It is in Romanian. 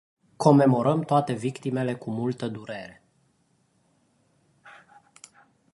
Comemorăm toate victimele cu multă durere.